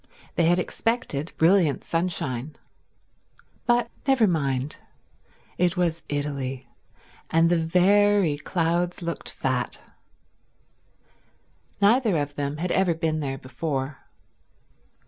They had expected brilliant sunshine. But never mind: it was Italy, and the very clouds looked fat. Neither of them had ever been there before.